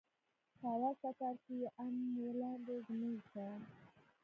په اول کتار کښې يې ام و لاندې زموږ شيان.